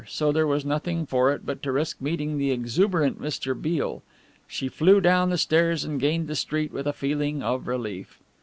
So there was nothing for it but to risk meeting the exuberant Mr. Beale. She flew down the stairs and gained the street with a feeling of relief.